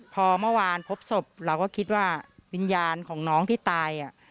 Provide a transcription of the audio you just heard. พอเมื่อวานพบศพเราก็คิดว่าวิญญาณของน้องที่ตาย